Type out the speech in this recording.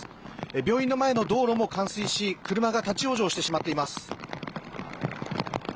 病院の前の道路も冠水し、車が立ち往生してしまっています。